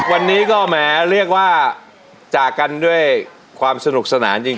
วันนี้ก็แหมเรียกว่าจากกันด้วยความสนุกสนานจริง